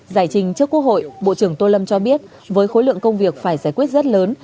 giải trình trước quốc hội bộ trưởng tô lâm cho biết với khối lượng công việc phải giải quyết rất lớn